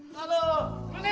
biarkan dial stake ganja